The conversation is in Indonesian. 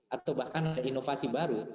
atau bahkan inovasi baru